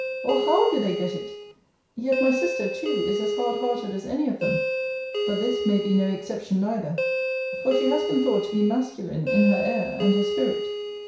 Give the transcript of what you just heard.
Or how do they get it? Yet my sister, too, is as hard hearted as any of them. But this may be no exception neither: for she has been thought to be masculine in her air and her spirit.